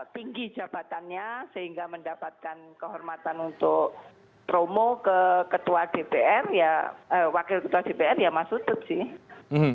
tinggi jabatannya sehingga mendapatkan kehormatan untuk promo ke ketua dpr ya wakil ketua dpr ya mas utut sih